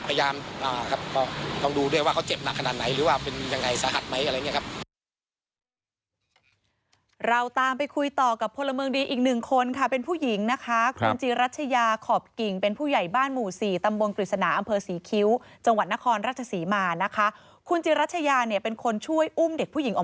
พยายามก็ต้องดูด้วยว่าเขาเจ็บมากขนาดไหน